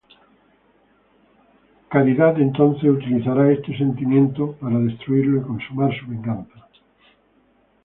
Caridad entonces utilizará este sentimiento para destruirlo y consumar su venganza.